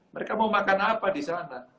mereka mau makan apa di sana